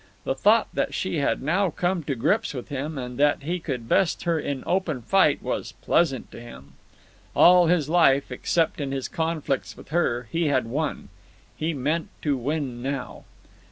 The thought that she had now come to grips with him and that he could best her in open fight was pleasant to him. All his life, except in his conflicts with her, he had won. He meant to win now.